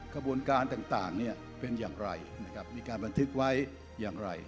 ขบวนการต่างเป็นอย่างไรนะครับมีการบันทึกไว้อย่างไร